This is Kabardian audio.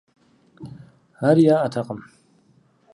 Ари яӏэтэкъым.